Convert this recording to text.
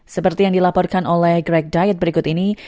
seperti yang dilaporkan oleh greg diet berikut ini